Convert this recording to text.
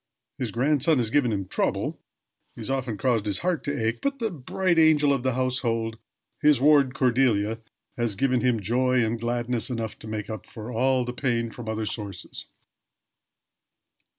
His grandson has given him trouble has often caused his heart to ache; but the bright angel of the household his ward Cordelia has given him joy and gladness enough to make up for all the pain from other sources.